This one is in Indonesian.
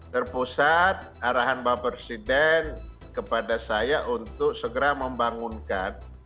terpusat arahan mbak presiden kepada saya untuk segera membangunkan training camp